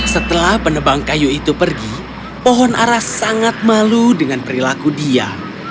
setelah penebang kayu itu pergi pohon ara sangat malu dengan perilaku dia